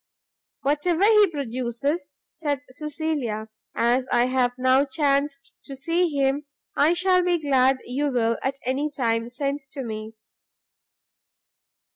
"Whatever he produces," said Cecilia, "as I have now chanced to see him, I shall be glad you will, at any time, send to me."